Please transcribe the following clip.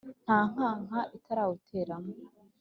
Nta nkaka itarawuteramo